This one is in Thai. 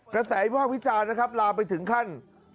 กระแสวิภาควิจารณ์นะครับลามไปถึงขั้น